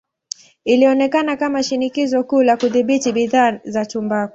Ilionekana kama shinikizo kuu la kudhibiti bidhaa za tumbaku.